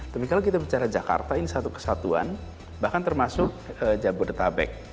tapi kalau kita bicara jakarta ini satu kesatuan bahkan termasuk jabodetabek